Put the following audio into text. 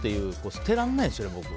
捨てられないですね、僕。